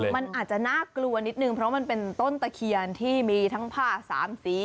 มันอาจจะน่ากลัวนิดนึงเพราะมันเป็นต้นตะเคียนที่มีทั้งผ้าสามสี